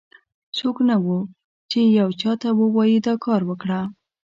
څوک نه و، چې یو چا ته ووایي دا کار وکړه.